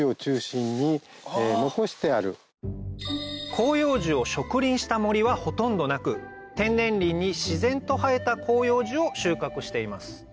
広葉樹を植林した森はほとんどなく天然林に自然と生えた広葉樹を収穫しています